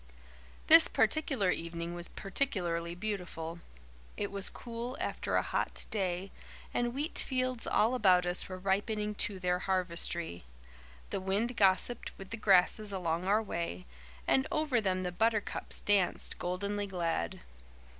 This particular evening was particularly beautiful. It was cool after a hot day, and wheat fields all about us were ripening to their harvestry. The wind gossiped with the grasses along our way, and over them the buttercups danced, goldenly glad.